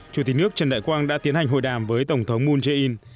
chủ tịch nước trần đại quang đã tiến hành hội đàm với tổng thống moon jae in